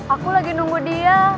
aku lagi nunggu dia